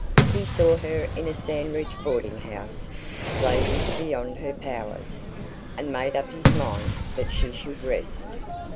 He saw her in a Sandridge boarding house, slaving beyond her powers, and made up his mind that she should rest.